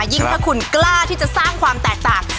ยิ่งถ้าคุณกล้าที่จะสร้างความแตกต่าง